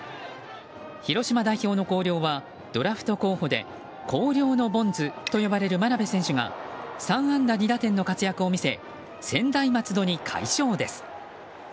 広島代表の広陵はドラフト候補で広陵のボンズと呼ばれる真鍋選手が３安打２打点の活躍を見せ専大松戸に快勝です。